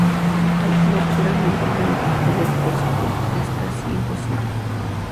Un cálculo puramente analítico del Pst es casi imposible.